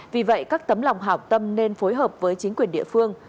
vì vậy các tấm lòng hảo tâm nên phối hợp với chính quyền địa phương